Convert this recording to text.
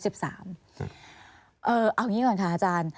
เอาอย่างนี้ก่อนค่ะอาจารย์